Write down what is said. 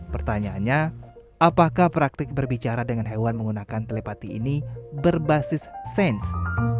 pertanyaannya apakah praktik berbicara dengan hewan menggunakan telepati ini berbasis sains